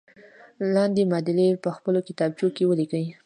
لاندې معادلې په خپلو کتابچو کې ولیکئ.